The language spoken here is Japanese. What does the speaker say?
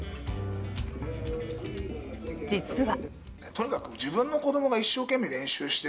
実は。